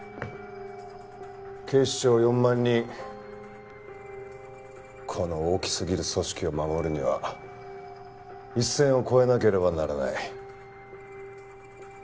警視庁４万人この大きすぎる組織を護るには一線を越えなければならない。